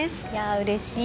うれしい！